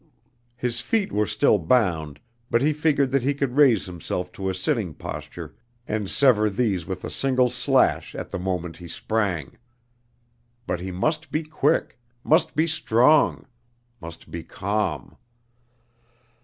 His feet were still bound, but he figured that he could raise himself to a sitting posture and sever these with a single slash at the moment he sprang. But he must be quick must be strong must be calm.